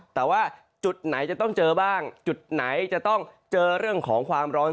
แต่ว่าจุดไหนจะต้องเจอบ้างจุดไหนจะต้องเจอเรื่องของความร้อน